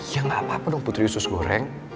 ya gak apa apa dong putri usus goreng